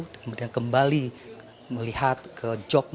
kemudian kembali melihat ke jog matahari